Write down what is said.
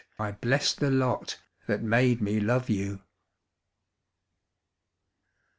I bless the lot that made me love you.